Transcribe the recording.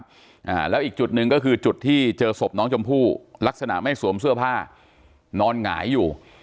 อ่าแล้วอีกจุดหนึ่งก็คือจุดที่เจอศพน้องชมพู่ลักษณะไม่สวมเสื้อผ้านอนหงายอยู่